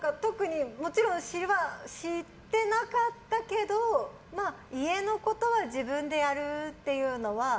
もちろん知ってなかったけど家のことは自分でやるというのは。